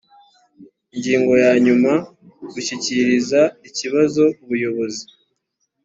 ingingo ya nyuma gushyikiriza ikibazo ubuyobozi